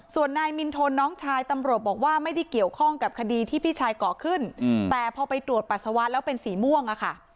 ส่วนนายมินทนน้องชายตำรวจบอกว่าไม่ได้เกี่ยวข้องกับคดีที่พี่ชายก่อขึ้นแต่พอไปตรวจปัสสาวะแล้วเป็นสีม่วงอะค่ะ